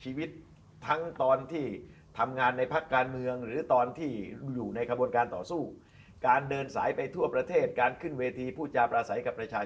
หาเสียงเยอะมากคุณเต็นครับทำง่ายไงยังไม่ถึงก็เหนื่อยนะครับ